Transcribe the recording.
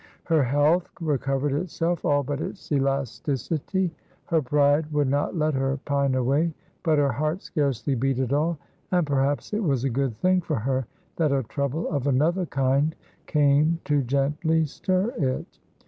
Her health recovered itself, all but its elasticity. Her pride would not let her pine away. But her heart scarcely beat at all, and perhaps it was a good thing for her that a trouble of another kind came to gently stir it.